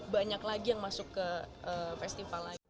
banyak lagi yang akan dihargai